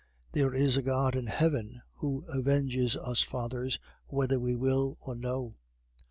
There is a God in heaven who avenges us fathers whether we will or no.